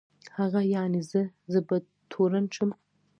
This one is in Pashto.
هغه یعني زه، زه به تورن شم.